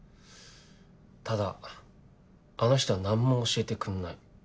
ただあの人は何も教えてくんない。